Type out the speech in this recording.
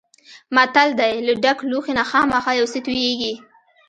متل دی: له ډک لوښي نه خامخا یو څه تویېږي.